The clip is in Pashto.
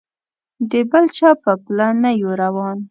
د بل چا په پله نه یو روان.